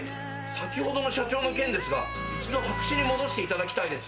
「先ほどの社長の件ですが一度白紙に戻していただきたいです」